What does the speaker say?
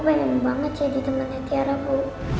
tadi aku pengen banget jadi temannya tiara bu